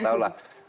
saya tidak begitu